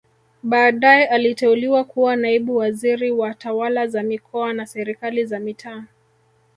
Baadae aliteuliwa kuwa naibu waziri wa tawala za mikoa na serikali za mitaa